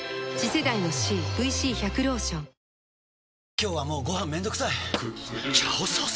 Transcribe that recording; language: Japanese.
今日はもうご飯めんどくさい「炒ソース」！？